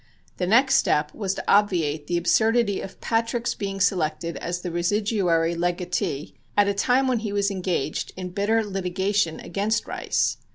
] The next step was to obviate the absurdity of Patrick's being selected as the residuary legatee at a time when he was engaged in bitter litigation against Rice.